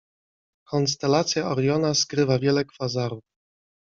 Konstelacja Oriona skrywa wiele kwazarów.